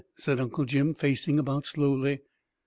said Uncle Jim, facing about slowly.